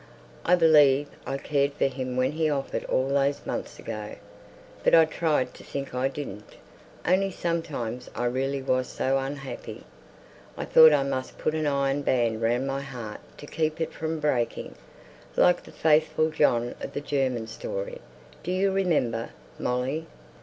I believe I cared for him when he offered all those months ago, but I tried to think I didn't; only sometimes I really was so unhappy, I thought I must put an iron band round my heart to keep it from breaking, like the Faithful John of the German story, do you remember, Molly?